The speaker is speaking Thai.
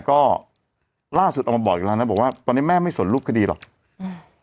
ก็ล่าสุดออกมาบอกอีกแล้วนะบอกว่าตอนนี้แม่ไม่สนรูปคดีหรอกอืม